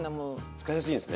使いやすいんですね？